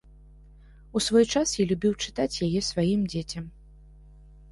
У свой час я любіў чытаць яе сваім дзецям.